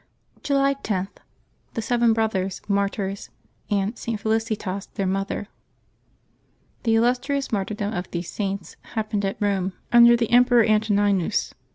July 10.— THE SEVEN BROTHERS, Martyrs, and ST. FELICITAS, their Mother. CHE illustrious martyrdom of these Saints happened at Eome, under the Emperor Antoninus.